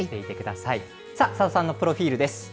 さあ、さださんのプロフィールです。